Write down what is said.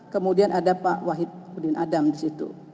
kemudian ada pak wahid udin adam disitu